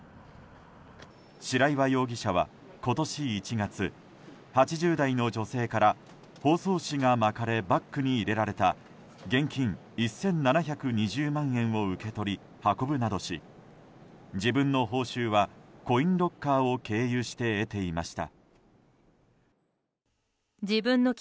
白岩容疑者は今年１月８０代の女性から包装紙が巻かれバッグに入れられた現金１７２０万を受け取り運ぶなどし自分の報酬はコインロッカーを経由して得ていました。